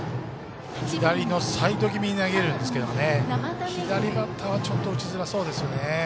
左のサイド気味に投げるので、左バッターは打ちづらそうですよね。